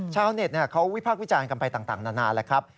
ชาวเน็ตเขาวิพากษ์วิจารณ์กันไปต่างนานาแล้วครับ